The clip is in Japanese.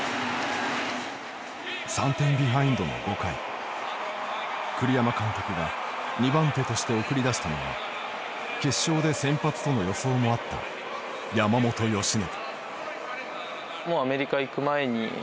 ３点ビハインドの５回栗山監督が２番手として送り出したのは決勝で先発との予想もあった山本由伸。